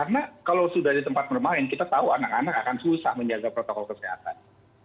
karena kalau sudah di tempat bermain kita tahu anak anak akan susah menjaga protokol kesehatan